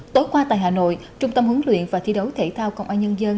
tối qua tại hà nội trung tâm hướng luyện và thi đấu thể thao cộng an nhân dân